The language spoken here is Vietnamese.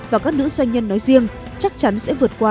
và các nữ doanh nhân nói riêng chắc chắn sẽ vượt qua